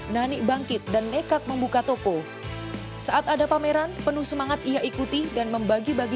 nani bangkit dan nekat membuka toko saat ada pameran penuh semangat ia ikuti dan membagi bagi